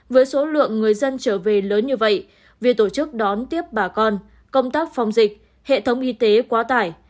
với số lượng người dân trở về lớn như vậy việc tổ chức đón tiếp bà con công tác phòng dịch hệ thống y tế quá tải